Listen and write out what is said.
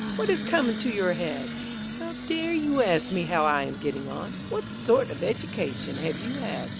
what has come into your head? How dare you ask me how I am getting on? What sort of education have you had?